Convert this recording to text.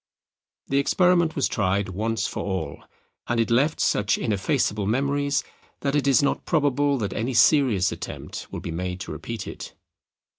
The experiment was tried once for all, and it left such ineffaceable memories that it is not probable that any serious attempt will be made to repeat it.